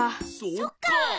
そっか。